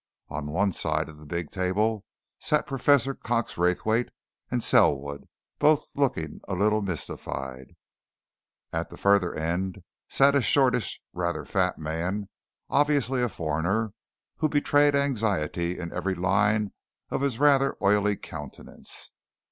On one side of the big table sat Professor Cox Raythwaite and Selwood both looking a little mystified; at the further end sat a shortish, rather fat man, obviously a foreigner, who betrayed anxiety in every line of his rather oily countenance.